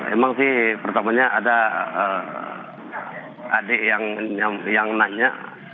emang sih pertamanya ada adik yang nanya